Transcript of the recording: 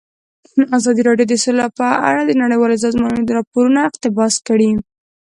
ازادي راډیو د سوله په اړه د نړیوالو سازمانونو راپورونه اقتباس کړي.